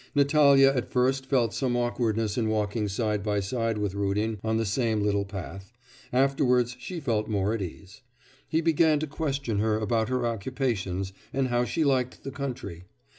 Natalya at first felt some awkwardness in walking side by side with Rudin on the same little path; afterwards she felt more at ease. He began to question her about her occupations and how she liked the country.